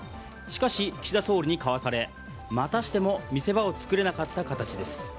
しかし、岸田総理にかわされまたしても見せ場を作れなかった形です。